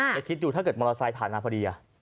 จะคิดดูถ้าเกิดมอเตอร์ไซค์ผ่านมาพอดี